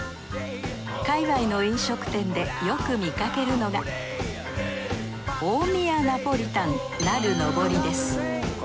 界わいの飲食店でよく見かけるのが大宮ナポリタンなるのぼりです。